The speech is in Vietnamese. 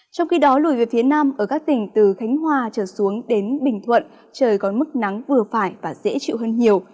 trong khi đó lùi về phía nam ở các tỉnh từ khánh hòa trở xuống đến bình thuận trời còn mức nắng vừa phải và dễ chịu hơn nhiều